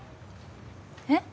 えっ？